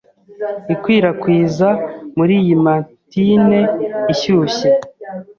ikwirakwiza Muri iyi mantine ishyushye